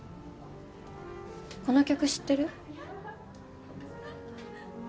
この曲知ってる？